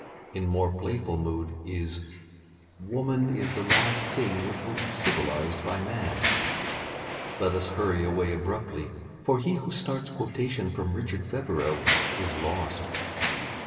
In more playful mood is "Woman is the last thing which will be civilized by man." Let us hurry away abruptly, for he who starts quotation from "Richard Feverel" is lost.